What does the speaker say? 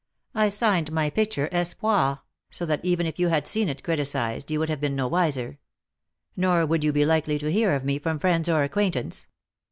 I signed my picture Mspoir, so that even if you had seen it criticized you would have been no wiser. Nor would you be likely to hear of me from friends or acquaintance.